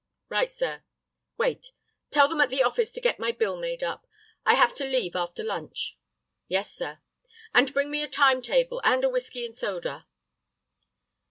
"Right, sir." "Wait; tell them at the office to get my bill made up. I have to leave after lunch." "Yes, sir." "And bring me a time table, and a whiskey and soda."